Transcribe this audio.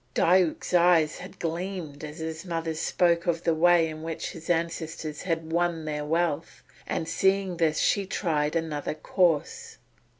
Diuk's eyes had gleamed as his mother spoke of the way in which his ancestors had won their wealth; and seeing this she tried another course.